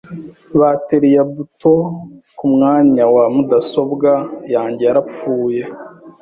Bateri ya buto kumwanya wa mudasobwa yanjye yarapfuye.